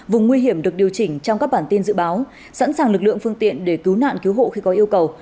vùng nguy hiểm được điều chỉnh trong các bản tin dự báo sẵn sàng lực lượng phương tiện để cứu nạn cứu hộ khi có yêu cầu